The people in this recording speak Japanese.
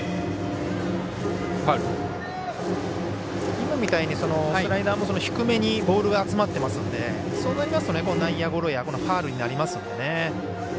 今みたいにスライダーも低めにボールが集まってますのでそうなりますと内野ゴロやファウルになりますので。